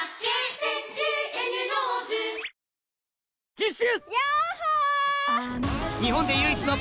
次週！